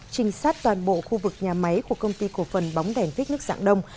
trinh sát toàn bộ khu vực nhà máy của công ty cổ phần bóng đèn vích nước dạng đông